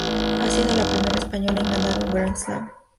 Ha sido la primera española en ganar un Grand Slam.